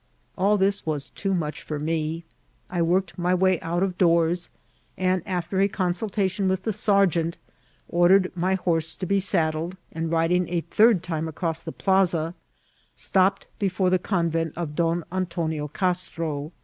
All this was too much for me : I worked my way out of doors, and after a consultation with the sergeanti ordered my horse to be saddled, and riding a third time across the plaza, stopped before the convent of Don Antonio Castro.